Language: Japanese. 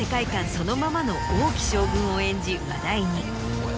そのままの王騎将軍を演じ話題に。